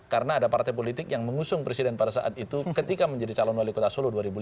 karena ada partai politik yang mengusung presiden pada saat itu ketika menjadi calon wali kota solo dua ribu lima